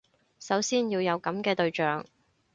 首先要有噉嘅對象